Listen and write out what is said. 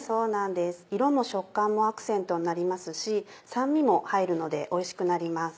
色も食感もアクセントになりますし酸味も入るのでおいしくなります。